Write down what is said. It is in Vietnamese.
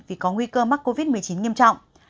vì có nguy cơ mắc covid một mươi chín nghiêm trọng